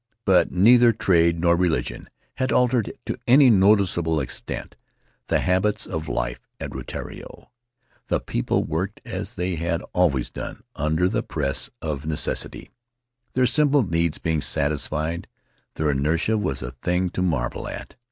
But neither trade nor religion had altered to any noticeable extent the habits An Adventure in Solitude of life at Rutiaro. The people worked, as they had always done, under the press of necessity. Their simple needs being satisfied, their inertia was a thing to marvel at.